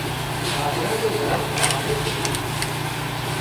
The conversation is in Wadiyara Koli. ڏاڀڙا نُون واڻ لاوي سي